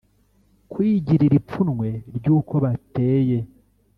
Kwigirira ipfunwe ry’uko bateye